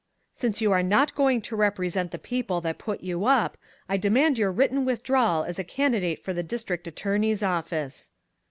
"Since you are not going to represent the people that put you up, I demand your written withdrawal as candidate for the district attorney's office."